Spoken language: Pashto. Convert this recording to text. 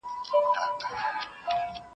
هغه وويل چي اوبه څښل ضروري دي.